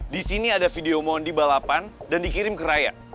di sini ada video mondi balapan dan dikirim ke raya